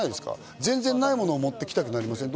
全然ないものを持ってきたくなりませんか？